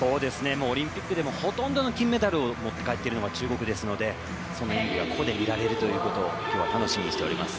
オリンピックでもほとんどのメダルを持って帰っているのは中国ですのでその演技がここで見られるのを今日は楽しみにしております。